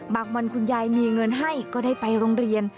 วันคุณยายมีเงินให้ก็ได้ไปโรงเรียน